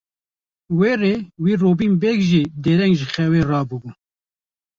Mêrê wê Robîn Beg jî dereng ji xewê rabûbû.